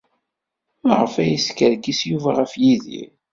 Maɣef ay yeskerkis Yuba ɣef Yidir?